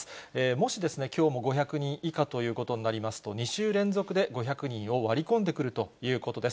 もし、きょうも５００人以下ということになりますと、２週連続で５００人を割り込んでくるということです。